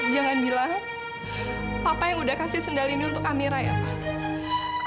jangan bilang papa yang udah kasih sendal ini untuk amira ya pak